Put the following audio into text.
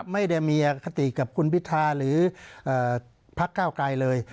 ไม่ได้มีอคติกับคุณพิธาหรือพักเก้าไกลเลย